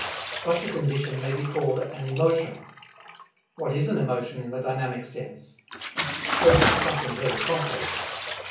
Such a condition may be called an emotion. What is an emotion in the dynamic sense? Certainly something very complex.